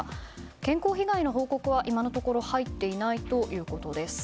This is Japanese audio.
健康被害の報告は今のところ入っていないということです。